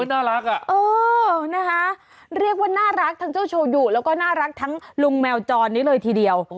น่ารักอ่ะเออนะคะเรียกว่าน่ารักทั้งเจ้าโชยูแล้วก็น่ารักทั้งลุงแมวจรนี้เลยทีเดียว